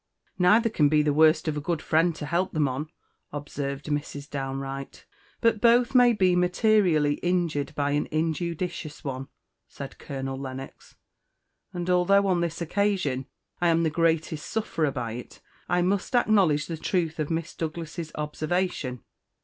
"Neither can be the worse of a good friend to help them on," observed Mrs. Downe Wright. "But both may be materially injured by an injudicious one," said Colonel Lennox; "and although, on this occasion, I am the greatest sufferer by it, I must acknowledge the truth of Miss Douglas's observation.